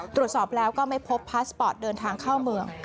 ตรวจสอบแล้วก็ไม่พบพาสปอร์ตเดินทางเข้าเมือง